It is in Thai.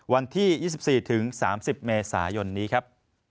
วันที่๒๔ถึง๓๐เมษายนนี้ครับ